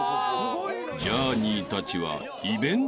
［ジャーニーたちは］